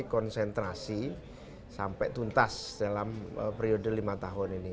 konsentrasi sampai tuntas dalam periode lima tahun ini